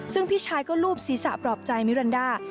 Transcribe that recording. ซึ่งพี่ชายก็ลูบศีรษะปลอบใจมิรันดา